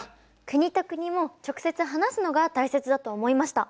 国と国も直接話すのが大切だと思いました。